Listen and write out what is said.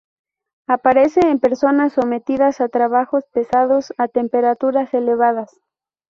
Aparece en personas sometidas a trabajos pesados a temperaturas elevadas.